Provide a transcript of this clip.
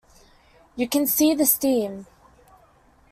You can see the steam.